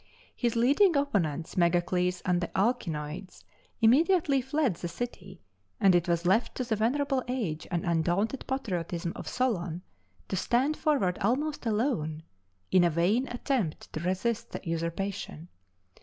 His leading opponents, Megacles and the Alcinæonids, immediately fled the city, and it was left to the venerable age and undaunted patriotism of Solon to stand forward almost alone in a vain attempt to resist the usurpation.